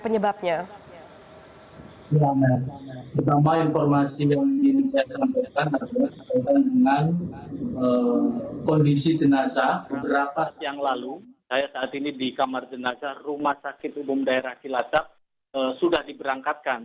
beberapa siang lalu saya saat ini di kamar jenazah rumah sakit umum daerah cilacap sudah diberangkatkan